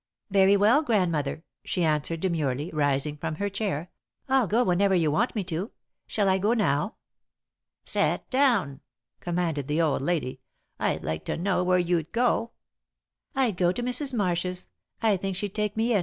"Very well, Grandmother," she answered, demurely, rising from her chair. "I'll go whenever you want me to. Shall I go now?" "Set down," commanded the old lady. "I'd like to know where you'd go!" "I'd go to Mrs. Marsh's; I think she'd take me in."